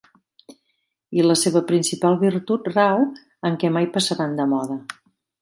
I la seva principal virtut rau en que mai passaran de moda.